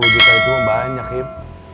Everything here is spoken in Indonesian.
sepuluh juta itu mah banyak im